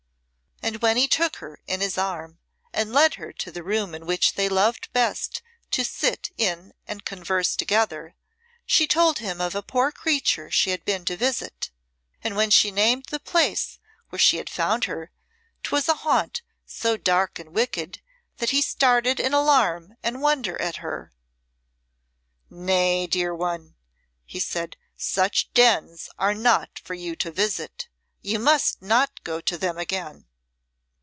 And when he took her in his arm and led her to the room in which they loved best to sit in converse together, she told him of a poor creature she had been to visit, and when she named the place where she had found her, 'twas a haunt so dark and wicked that he started in alarm and wonder at her. "Nay, dear one," he said, "such dens are not for you to visit. You must not go to them again."